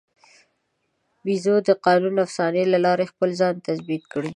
پيژو د قانوني افسانې له لارې خپل ځان تثبیت کړ.